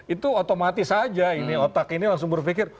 itu otomatis saja ini otak ini langsung berpikir